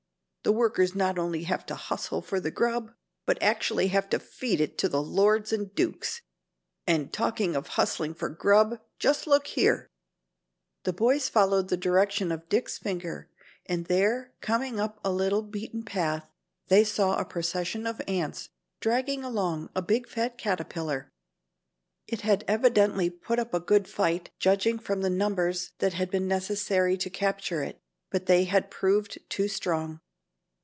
The workers not only have to hustle for the grub, but actually have to feed it to the lords and dukes. And talking of hustling for grub, just look here." The boys followed the direction of Dick's finger, and there coming up a little beaten path they saw a procession of ants dragging along a big fat caterpillar. It had evidently put up a good fight, judging from the numbers that had been necessary to capture it, but they had proved too strong.